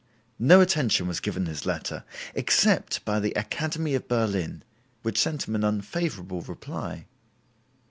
No attention was given his letter, except by the Academy of Berlin, which sent him an unfavorable reply.